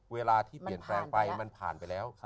เวลาที่เปลี่ยนแปลงไปมันผ่านไปแล้ว